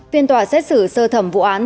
phiên tòa xét xử sơ thẩm vụ án